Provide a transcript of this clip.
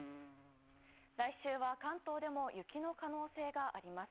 来週は関東でも雪の可能性があります。